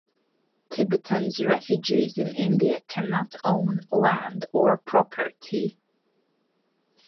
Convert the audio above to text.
Tibetans refugees in India cannot own land or property.